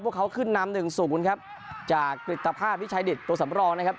พวกเขาขึ้นนำหนึ่งศูนย์ครับจากกริตภาพวิชัยดิตตัวสำรองนะครับ